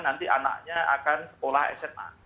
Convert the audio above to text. nanti anaknya akan sekolah sma